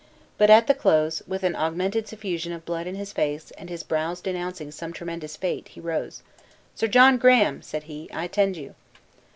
But at the close, with an augmented suffusion of blood in his face, and his brows denouncing some tremendous fate, he rose. "Sir John Graham," said he, "I attend you."